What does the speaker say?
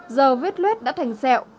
giờ vết lết đã thành sẹo